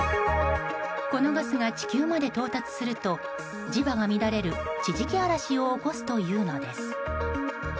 このガスが地球まで到達すると磁場が乱れる地磁気嵐を起こすというのです。